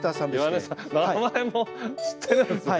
名前も知ってるんですね。